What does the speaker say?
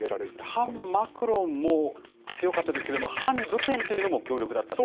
反マクロンも強かったですけれども、反ルペンというのも強力だったと。